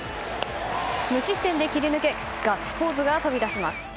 無失点で切り抜けガッツポーズが飛び出します。